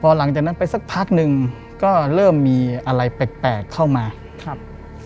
หลังจากนั้นไปสักพักหนึ่งก็เริ่มมีอะไรแปลกแปลกเข้ามาครับ